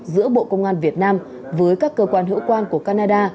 giữa bộ công an việt nam với các cơ quan hữu quan của canada